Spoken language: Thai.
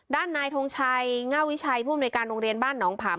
ด้านนายทงชัยง่าวิชัยผู้อำนวยการโรงเรียนบ้านหนองผาม